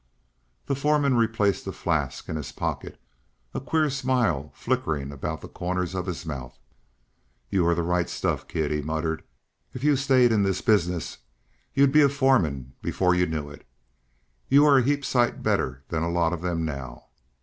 The foreman replaced the flask in his pocket, a queer smile flickering about the corners of his mouth. "You are the right stuff, kid," he muttered. "If you stayed in this business you'd be a foreman before you knew it. You are a heap sight better than a lot of them now.